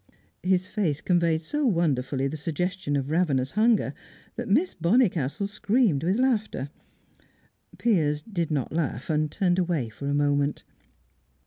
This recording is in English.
His face conveyed so wonderfully the suggestion of ravenous hunger, that Miss Bonnicastle screamed with laughter. Piers did not laugh, and turned away for a moment.